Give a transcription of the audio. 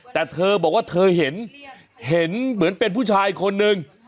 แต่เธอบอกว่าเธอเห็นเห็นเหมือนเป็นผู้ชายคนนึง